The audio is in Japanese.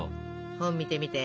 本見てみて！